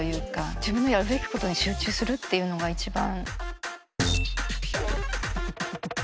自分のやるべきことに集中するっていうのが一番。